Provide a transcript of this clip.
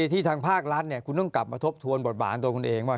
ทางภาครัฐคุณต้องกลับมาทบทวนบทบาทตัวคุณเองว่า